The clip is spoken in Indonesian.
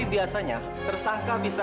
kalau pegang oke saya